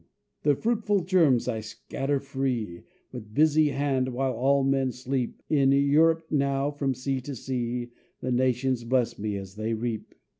"The fruitful germs I scatter free, With busy hand, while all men sleep; In Europe now, from sea to sea, The nations bless me as they reap."